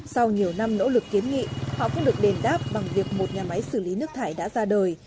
sau nhiều năm nỗ lực kiến nghị họ cũng được đền đáp bằng việc một nhà máy xử lý nước thải đã ra đời